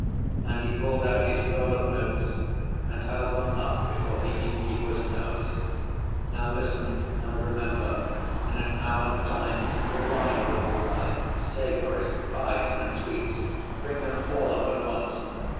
And he pulled out his roll of notes, and held them up before the innkeeper's nose. "Now, listen and remember. In an hour's time the wine will arrive, savories, pies, and sweets—bring them all up at once.